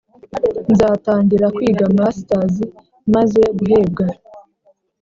Nzatangira kwiga mastazi maze guhebwa